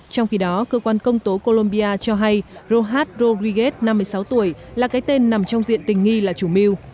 trong khi đó cơ quan công tố colombia cho hay rohat rogriguez năm mươi sáu tuổi là cái tên nằm trong diện tình nghi là chủ mưu